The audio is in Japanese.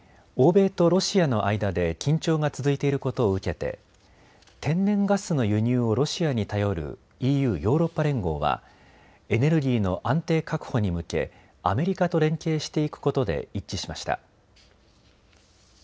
欧米とロシアの間で緊張が続いていることを受けて天然ガスの輸入をロシアに頼るＥＵ・ヨーロッパ連合はベルギーの安定確保に向けアメリカと連携していくことで一致しました。